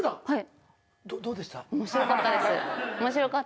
はい。